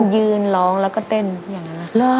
ยืนร้องแล้วก็เต้นอย่างนั้นนะ